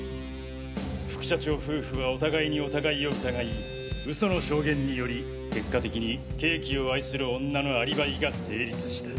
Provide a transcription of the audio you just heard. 副社長夫婦はお互いにお互いを疑いウソの証言により結果的にケーキを愛する女のアリバイが成立した。